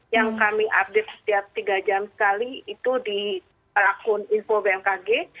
yang kami update setiap tiga jam sekali itu di akun info bmkg